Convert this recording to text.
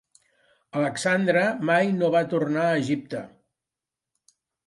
Alexandre mai no va tornar a Egipte.